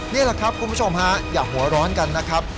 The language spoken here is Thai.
นี่แหละครับคุณผู้ชมฮะอย่าหัวร้อนกันนะครับ